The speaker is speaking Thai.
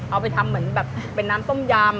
เอาไปทำเหมือนแบบเป็นน้ำต้มยำ